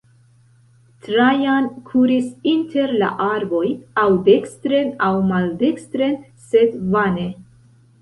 Trajan kuris inter la arboj, aŭ dekstren aŭ maldekstren, sed vane.